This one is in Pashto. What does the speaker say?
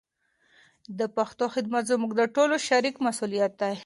د پښتو خدمت زموږ د ټولو شریک مسولیت دی.